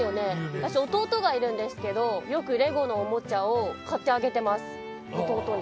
私弟がいるんですけどよくＬＥＧＯのおもちゃを買ってあげてます弟に。